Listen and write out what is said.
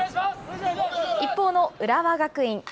一方の浦和学院。